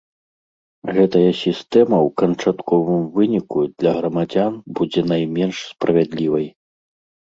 Гэтая сістэма ў канчатковым выніку для грамадзян будзе найменш справядлівай.